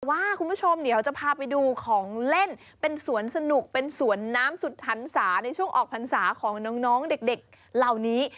ว่าคุณผู้ชมเดี๋ยวจะพาไปดูของเล่นเป็นสวนสนุกเป็นสวนน้ำสุดหันศาในช่วงออกพรรษาของน้องเด็กเหล่านี้